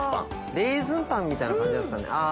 レーズンパンみたいな感じなんですかね。